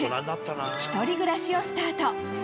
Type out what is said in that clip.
１人暮らしをスタート。